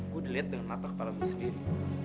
gue delete dengan mata kepala gue sendiri